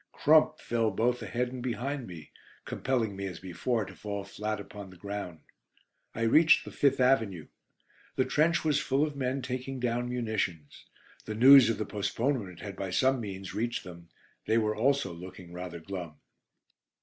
"Crump" fell both ahead and behind me, compelling me, as before, to fall flat upon the ground. I reached the "Fifth Avenue." The trench was full of men taking down munitions. The news of the postponement had by some means reached them; they also were looking rather glum.